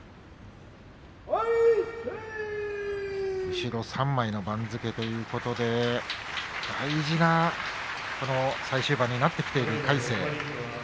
後ろ３枚の番付ということで大事な最終盤になっている魁聖です。